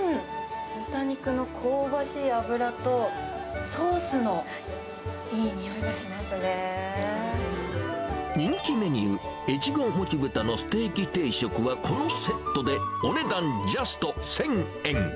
豚肉の香ばしい脂と、人気メニュー、越後もちぶたのステーキ定食は、このセットで、お値段ジャスト１０００円。